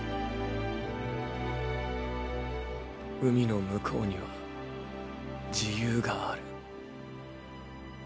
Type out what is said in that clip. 海の向こうには自由がある。